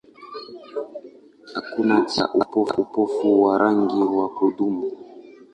Hakuna tiba ya upofu wa rangi wa kudumu.